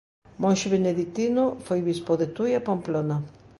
Monxe beneditino, foi bispo de Tui e Pamplona.